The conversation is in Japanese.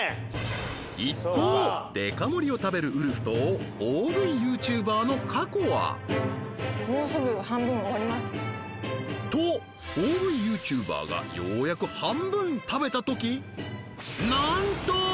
一方デカ盛を食べるウルフと大食いＹｏｕＴｕｂｅｒのかこはもうすぐ半分終わりますと大食いＹｏｕＴｕｂｅｒがようやく半分食べた時何と！